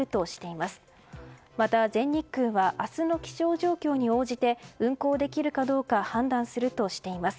また、全日空は明日の気象状況に応じて運航できるかどうか判断するとしています。